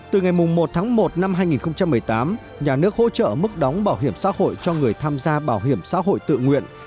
từ ngày một tháng một năm hai nghìn một mươi tám nhà nước hỗ trợ mức đóng bảo hiểm xã hội cho người tham gia bảo hiểm xã hội tự nguyện